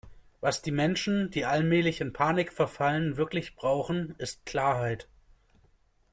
Was die Menschen, die allmählich in Panik verfallen, wirklich brauchen, ist Klarheit.